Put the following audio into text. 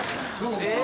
えっ！